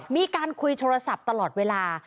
มีการคุยโทรศัพท์ตลอดเวลา